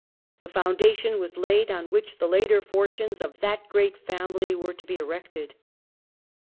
The foundation was laid on which the later fortunes of that great family were to be erected.